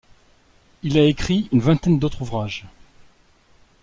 Il a écrit une vingtaine d'autres ouvrages.